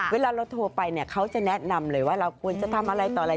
เวลาเราโทรไปเนี่ยเขาจะแนะนำเลยว่าเราควรจะทำอะไรต่ออะไร